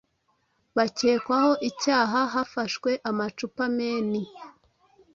bakekwaho icyaha, "hafahwe amacupa menhi